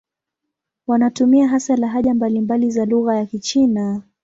Wanatumia hasa lahaja mbalimbali za lugha ya Kichina.